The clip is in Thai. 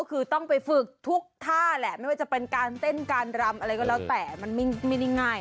ก็คือต้องไปฝึกทุกท่าแหละไม่ว่าจะเป็นการเต้นการรำอะไรก็แล้วแต่มันไม่ได้ง่าย